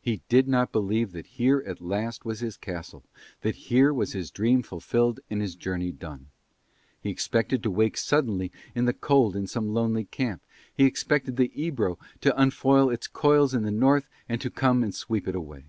He did not believe that here at last was his castle, that here was his dream fulfilled and his journey done. He expected to wake suddenly in the cold in some lonely camp, he expected the Ebro to unfold its coils in the North and to come and sweep it away.